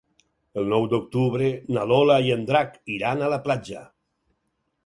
El nou d'octubre na Lola i en Drac iran a la platja.